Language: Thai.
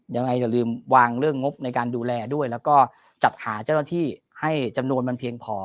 อย่าลืมวางเรื่องงบในการดูแลด้วยแล้วก็จัดหาเจ้าหน้าที่ให้จำนวนมันเพียงพอ